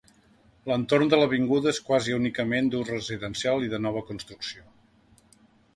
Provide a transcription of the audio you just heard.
L'entorn de l'avinguda és quasi únicament d'ús residencial i de nova construcció.